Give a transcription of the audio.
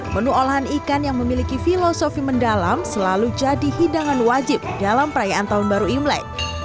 menu olahan ikan yang memiliki filosofi mendalam selalu jadi hidangan wajib dalam perayaan tahun baru imlek